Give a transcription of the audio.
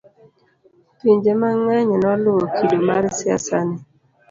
pinje mang'eny noluwo kido mar siasa ni